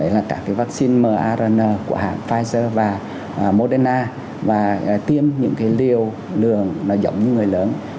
là các vaccine mrna của hãng pfizer và moderna và tiêm những liều lường giống như người lớn